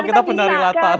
oh kita penari latar